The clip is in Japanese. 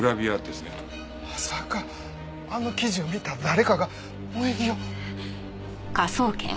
まさかあの記事を見た誰かが萌衣を？